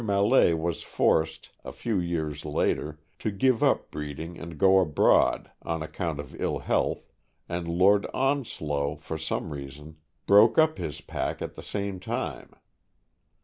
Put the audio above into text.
Millais was forced, a few years later, to give up breeding and go abroad, on account of ill health, and Lord Onslow, for some reason, THE BASSET HOUND. 211 broke up his pack at the same time.